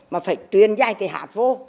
mà phải truyền dạy cái hạt vô